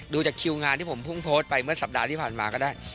ดูจากคิวงานที่ผมเพิ่งโพสต์ไปเมื่อสัปดาห์ที่ผ่านมาก็ได้